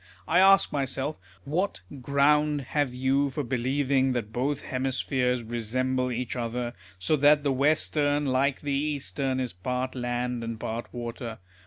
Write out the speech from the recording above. I ask myself, "What ground have you for believing that both hemispheres resemble each other, so that the western, like the eastern, is part land and part water